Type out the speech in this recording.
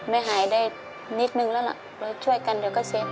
ไม่หายได้นิดนึงแล้วล่ะเราช่วยกันเดี๋ยวก็เช็ค